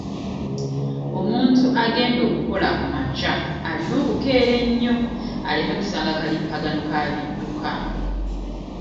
Omuntu agenda okukola ku makya alina kukeera ennyo aleme kusanga kalipaggano ka bidduka.